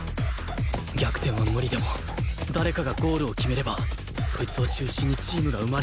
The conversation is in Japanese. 逆転は無理でも誰かがゴールを決めればそいつを中心にチームが生まれるはず